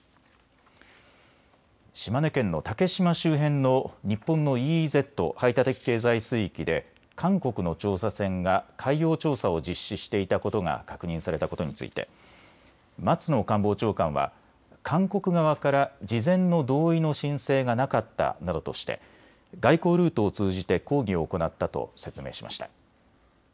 島根県の竹島周辺の日本のＥＥＺ・排他的経済水域で韓国の調査船が海洋調査を実施していたことが確認されたことについて松野官房長官は韓国側から事前の同意の申請がなかったなどとして外交ルートを通じて抗議を行ったと説明しました。